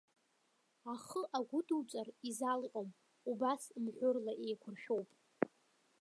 Ахы агәыдуҵар изалҟьом, убас мҳәырла еиқәыршәоуп.